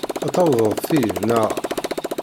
Ad tawyeḍ ti, naɣ?